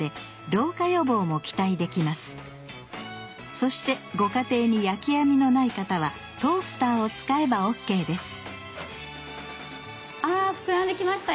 そしてご家庭に焼き網のない方はトースターを使えばオッケーですあ膨らんできましたよ。